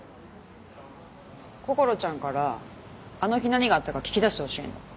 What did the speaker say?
こころちゃんからあの日何があったか聞き出してほしいの。